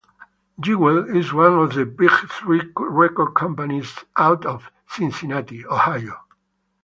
Jewel is one of the big three record companies out of Cincinnati, Ohio.